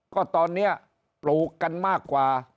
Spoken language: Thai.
ก็ตอนนี้ปลูกกันมากกว่า